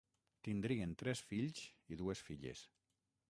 Tindrien tres fills i dues filles.